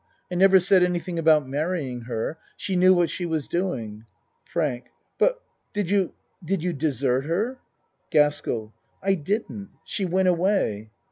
I never said anything about marrying her. She knew what she was doing. FRANK But, did you did you desert her? GASKELL I didn't! She went away.